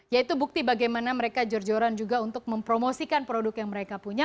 yaitu bukti bagaimana mereka jor joran juga untuk mempromosikan produk yang mereka punya